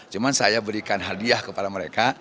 cuma saya berikan hadiah kepada mereka